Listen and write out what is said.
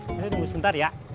ini tunggu sebentar ya